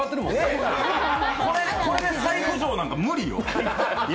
これで再浮上なんか無理よ。